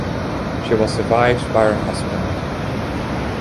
She was survived by her husband.